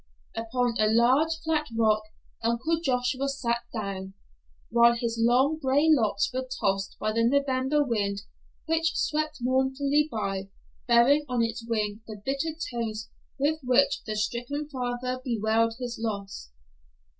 Upon a large flat rock Uncle Joshua sat down, while his long gray locks were tossed by the November wind which swept mournfully by, bearing on its wing the bitter tones with which the stricken father bewailed his loss.